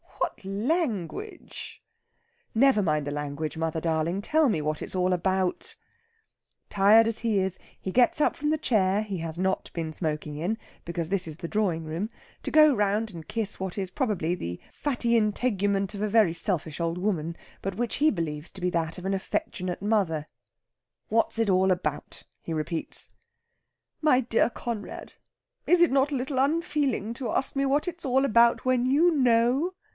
What language!" "Never mind the language, mother darling! Tell me what it's all about." Tired as he is, he gets up from the chair he has not been smoking in (because this is the drawing room) to go round and kiss what is probably the fatty integument of a very selfish old woman, but which he believes to be that of an affectionate mother. "What's it all about?" he repeats. "My dear Conrad! Is it not a little unfeeling to ask me what it is all about when you know?"